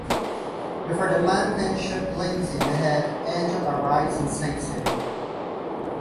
Before the man can shoot Lindsey in the head, Angel arrives and saves him.